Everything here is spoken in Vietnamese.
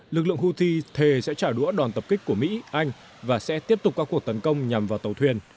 lực lượng houthi thề sẽ trả đũa đòn tập kích của mỹ anh và sẽ tiếp tục các cuộc tấn công nhằm vào tàu thuyền